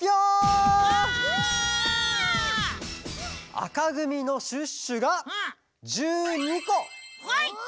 あかぐみのシュッシュがはい！